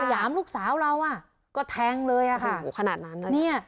ยามลูกสาวเราอ่ะก็แทงเลยอ่ะค่ะโหขนาดนั้นนะเนี่ย